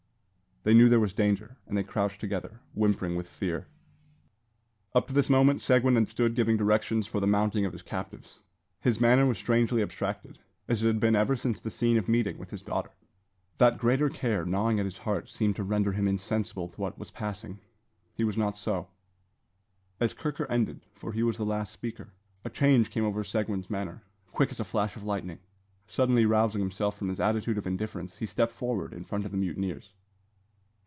They knew there was danger, and they crouched together, whimpering with fear. Up to this moment Seguin had stood giving directions for the mounting of his captives. His manner was strangely abstracted, as it had been ever since the scene of meeting with his daughter. That greater care, gnawing at his heart, seemed to render him insensible to what was passing. He was not so. As Kirker ended (for he was the last speaker) a change came over Sequin's manner, quick as a flash of lightning. Suddenly rousing himself from his attitude of indifference, he stepped forward in front of the mutineers.